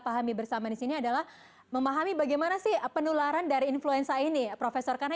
pahami bersama disini adalah memahami bagaimana sih penularan dari influenza ini profesor karena